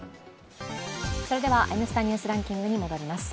それでは「Ｎスタ・ニュースランキング」に戻ります。